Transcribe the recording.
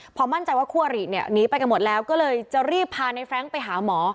พอมั่นใจว่าครัวหลีนีไปกันหมดแล้วก็เลยจะรีบพาเนธแฟรงก์ไปหาหมอ